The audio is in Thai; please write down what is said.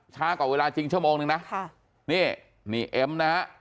ช้ากว่าเวลาจริงชั่วโมงนึงนะค่ะนี่นี่เอ็มนะฮะ